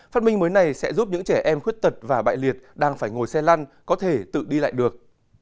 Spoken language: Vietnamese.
phát minh mới này sẽ giúp những trẻ em khuyết tật và bại liệt đang phải ngồi xe lăn có thể tự đi lại được